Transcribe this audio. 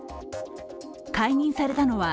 解任されたのは